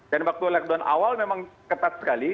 dan waktu lockdown awal memang ketat sekali